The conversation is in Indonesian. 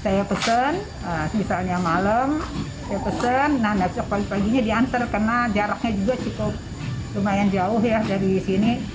saya pesen misalnya malam saya pesen nah besok paginya diantar karena jaraknya juga cukup lumayan jauh ya dari sini